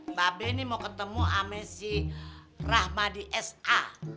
mbak be ini mau ketemu sama si rahmadi sa